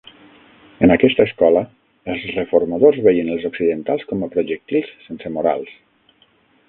En aquesta escola, els reformadors veien els occidentals com a projectils sense morals.